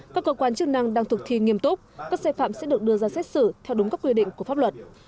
các cơ quan chức năng đang thực thi nghiêm túc các xe phạm sẽ được đưa ra xét xử theo đúng các quy định của pháp luật